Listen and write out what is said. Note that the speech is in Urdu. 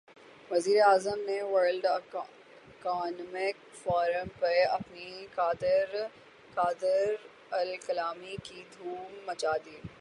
وزیر اعظم نے ورلڈ اکنامک فورم پہ اپنی قادرالکلامی کی دھوم مچا دی۔